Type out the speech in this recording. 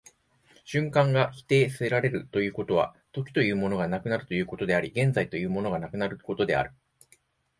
瞬間が否定せられるということは、時というものがなくなることであり、現在というものがなくなることである。